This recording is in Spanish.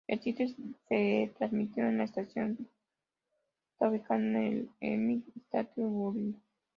El sitio de transmisión de la estación está ubicado en el Empire State Building.